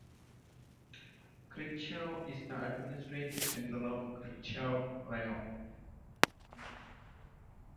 Krychaw is the administrative center of the Krychaw Raion.